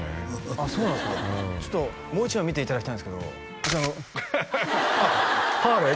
あっそうなんですかちょっともう１枚見ていただきたいんですけどこちらあっハーレー？